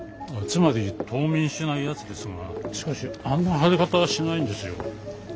つまり冬眠しないやつですがしかしあんな腫れ方はしないんですよ。